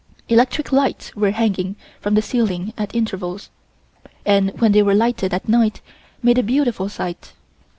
Electric lights were hanging from the ceiling at intervals, and when they were lighted at night, made a beautiful sight.